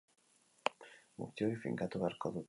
Guzti hori finkatu beharko dute.